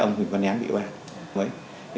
ông huỳnh văn án bị oan